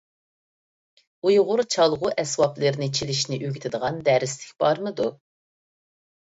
ئۇيغۇر چالغۇ ئەسۋابلىرىنى چېلىشنى ئۆگىتىدىغان دەرسلىك بارمىدۇ؟